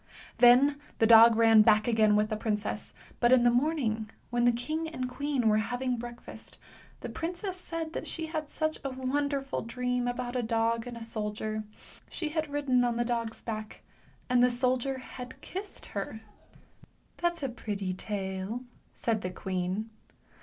Then the dog ran back again with the princess, but in the morning, when the king and queen were having breakfast, the princess said that she had had such a wonderful dream about a dog and a soldier. She had ridden on the dog's back, and the soldier had kissed her. " That's a pretty tale," said the queen.